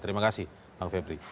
terima kasih bang febri